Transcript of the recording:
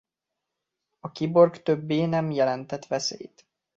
A kiborg többé nem jelentett veszélyt.